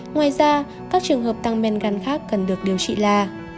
ngoài ra các trường hợp tăng men gan khác cần được điều trị là